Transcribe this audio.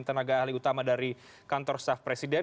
tenaga ahli utama dari kantor staff presiden